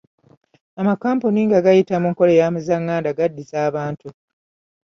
Amakampuni nga gayita mu nkola ya muzzanganda gaddiza abantu.